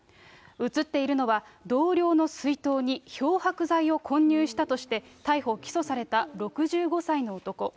映っているのは、同僚の水筒に漂白剤を混入したとして、逮捕・起訴された６５歳の男。